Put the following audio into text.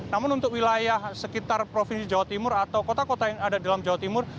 namun untuk wilayah sekitar provinsi jawa timur atau kota kota yang ada di dalam jawa timur